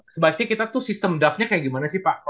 sebaiknya kita tuh sistem draftnya kayak gimana sih pak